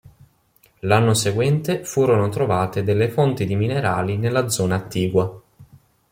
L'anno seguente, furono trovate delle fonti di minerali nella zona attigua.